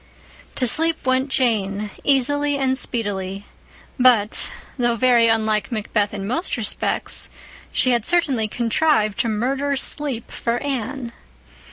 To sleep went Jane easily and speedily; but, though very unlike MacBeth in most respects, she had certainly contrived to murder sleep for Anne.